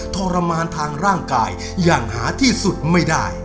ทรมานทางร่างกายอย่างหาที่สุดไม่ได้